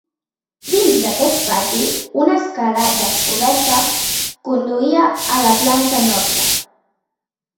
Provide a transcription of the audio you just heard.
Dins d’aquest pati, una escala descoberta conduïa a la planta noble.